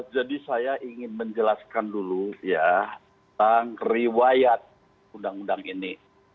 jadi saya ingin menjelaskan dulu ya tentang riwayat undang undang ini